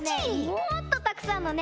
もっとたくさんのね